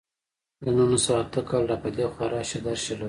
له نولس سوه اته اته کال را په دېخوا راشه درشه لرو.